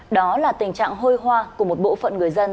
đó là tình trạng hôi hoa của một bộ phận người dân